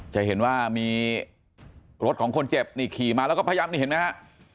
จะเห็นว่ามีรถของคนเจ็บนี่ขี่มาแล้วก็พยายามนี่เห็นไหมฮะ